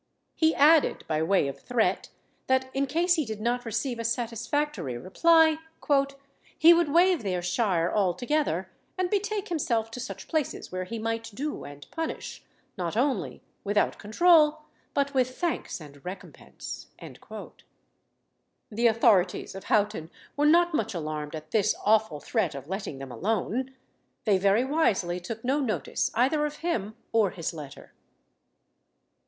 He added, by way of threat, that in case he did not receive a satisfactory reply, "he would waive their shire altogether, and betake himself to such places where he might do and punish, not only without control, but with thanks and recompense." The authorities of Houghton were not much alarmed at this awful threat of letting them alone. They very wisely took no notice either of him or his letter.